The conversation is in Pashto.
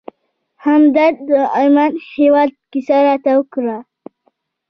همدرد د عمان هېواد کیسه راته وکړه.